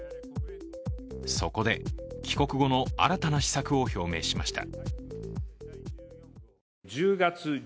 そこで、帰国後の新たな施策を表明しました。